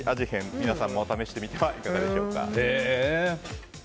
変皆さんも試してみてはいかがでしょうか。